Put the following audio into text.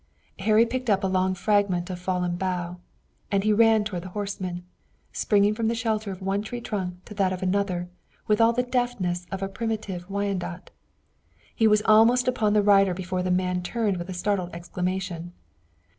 Harry picked up a long fragment of a fallen bough, and he ran toward the horseman, springing from the shelter of one tree trunk to that of another with all the deftness of a primitive Wyandot. He was almost upon the rider before the man turned with a startled exclamation.